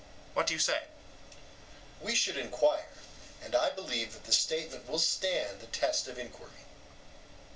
What do you say? EUTHYPHRO: We should enquire; and I believe that the statement will stand the test of enquiry.